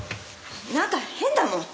なんか変だもん。